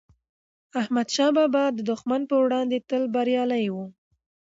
احمدشاه بابا د دښمن پر وړاندی تل بریالي و.